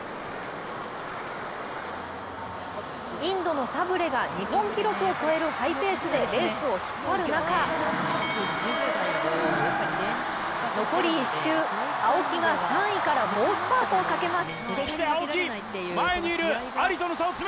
インドのサブレが日本記録を超えるハイペースでレースを引っ張る中、残り１周、青木が３位から猛スパートをかけます。